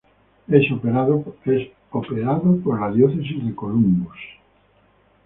Es operado por la Diócesis de Columbus.